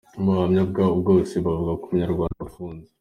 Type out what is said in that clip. Mu buhamya bwabo bose bavuga ko umunyarwanda ufunze.